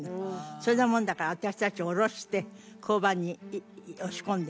そんなもんだから私たちを降ろして交番に押し込んで。